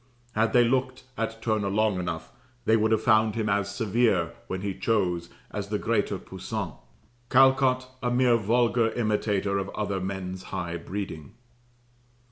Had they looked at Turner long enough they would have found him as severe, when he chose, as the greater Poussin; Callcott, a mere vulgar imitator of other men's high breeding.